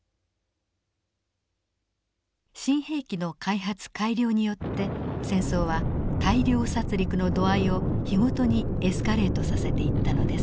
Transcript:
新兵器の開発改良によって戦争は大量殺戮の度合いを日ごとにエスカレートさせていったのです。